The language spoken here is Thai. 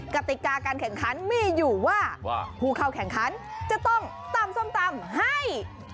กติกาการแข่งขันมีอยู่ว่าผู้เข้าแข่งขันจะต้องตำส้มตำให้